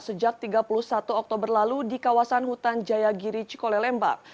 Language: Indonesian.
sejak tiga puluh satu oktober lalu di kawasan hutan jaya giri cikolelemba